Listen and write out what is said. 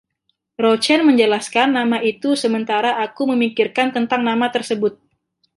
Rochen menjelaskan nama itu sementara aku memikirkan tentang nama tersebut.